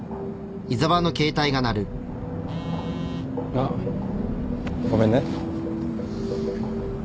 あっごめんね。